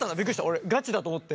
俺ガチだと思って。